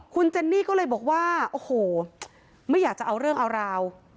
คุณเจนนี่ก็เลยบอกว่าโอ้โหไม่อยากจะเอาเรื่องเอาราว